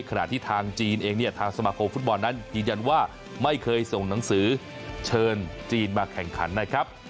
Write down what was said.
ขณะที่ทางจีนเองเนี่ยทางสมาคมฟุตบอลนั้นยืนยันว่าไม่เคยส่งหนังสือเชิญจีนมาแข่งขันนะครับ